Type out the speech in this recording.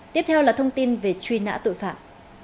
tiếp theo là thông tin về truy nã tội phạm